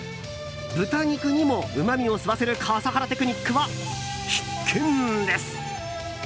豚肉にも、うまみを吸わせる笠原テクニックは必見です。